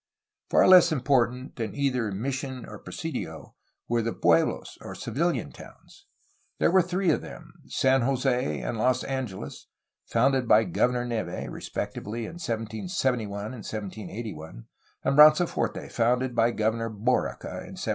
Far less important than either mission or presidio were the pueblos, or civilian ,towns. There were three of them: San Jose and Los Angeles, founded by Governor Neve, respectively in 1777 and 1781, and Branciforte, founded by Governor Borica in 1797.